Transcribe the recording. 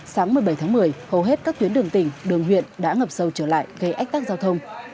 sáng một mươi bảy tháng một mươi hầu hết các tuyến đường tỉnh đường huyện đã ngập sâu trở lại gây ách tắc giao thông